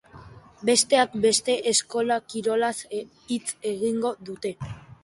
Besteak beste, eskola kirolaz hitz egingo dute.